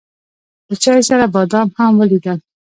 له چای سره بادام هم وليدل.